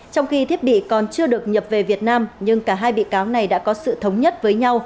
trong khi thiết bị còn chưa được nhập về việt nam nhưng cả hai bị cáo này đã có sự thống nhất với nhau